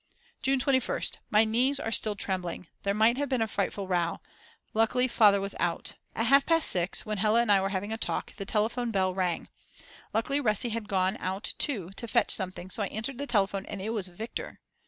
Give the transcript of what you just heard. June 21st. My knees are still trembling; there might have been a frightful row; luckily Father was out. At half past 6, when Hella and I were having a talk, the telephone bell rang. Luckily Resi had gone out too to fetch something so I answered the telephone, and it was Viktor!